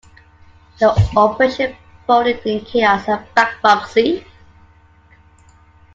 The operation folded in chaos and bankruptcy.